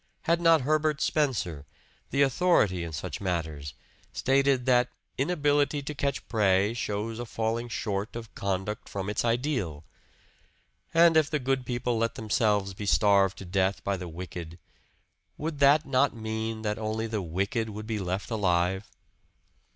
Had not Herbert Spencer, the authority in such matters, stated that "inability to catch prey shows a falling short of conduct from its ideal"? And if the good people let themselves be starved to death by the wicked, would that not mean that only the wicked would be left alive?